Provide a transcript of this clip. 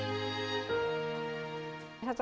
dia mencari tempat untuk berbicara